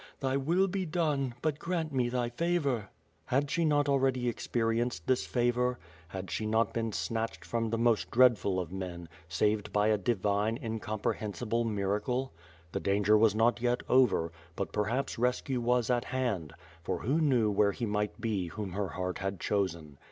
Thy will be done, but grant me thy favor." Had she not already experienced this favor? Had she not WITH FIRE AND SWORD. 247 been snatched from the most dreadful of men, saved by a divine incomprehensible miracle? The danger was not yet over, but perhaps rescue was at hand; for who knew where he might be whom her heart had chosen.